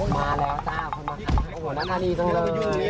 มาแล้วจ้าพอมาค่ะโอ้โหดักก็ดีจังเลย